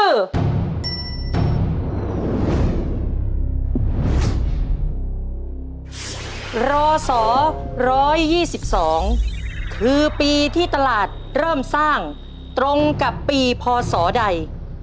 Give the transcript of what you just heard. รศ๑๒๒คือปีที่ตลาดเริ่มสร้างตรงกับปีพศใด